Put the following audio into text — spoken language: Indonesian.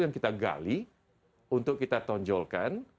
yang kita gali untuk kita tonjolkan